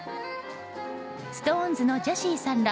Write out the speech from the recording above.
ＳｉｘＴＯＮＥＳのジェシーさんら